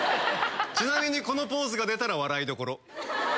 ちなみにこのポーズが出たら笑いどころ。